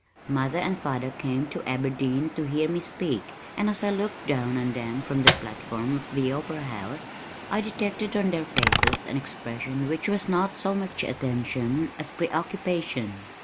Mother and father came to Aberdeen to hear me speak, and as I looked down on them from the platform of the opera house, I detected on their faces an expression which was not so much attention, as preoccupation.